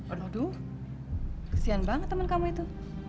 aduh kesian banget teman kamu itu